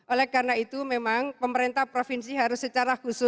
oleh karena itu memang pemerintah provinsi harus secara khusus